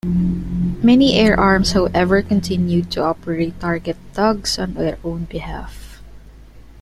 Many air arms however continued to operate target tugs on their own behalf.